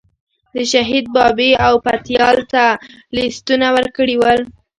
د شهید بابی او پتیال ته لیستونه ورکړي ول.